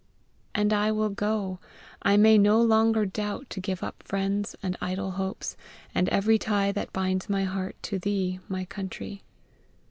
3. And I will | go! | I may no longer doubt to give up friends, and idol | hopes, | and every tie that binds my heart to | thee, my | country.